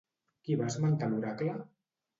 Qui va esmentar l'oracle?